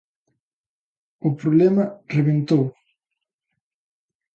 O problema rebentou.